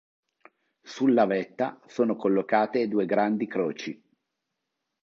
Sulla vetta sono collocate due grandi croci.